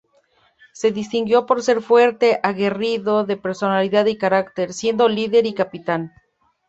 Se distinguió por ser fuerte, aguerrido, de personalidad y carácter, siendo líder y capitán.